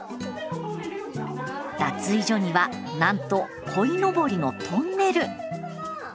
脱衣所にはなんと、こいのぼりのトンネル。